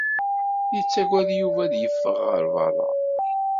Yettagad Yuba ad yeffeɣ ɣer beṛṛa.